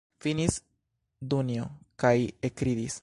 Finis Dunjo kaj ekridis.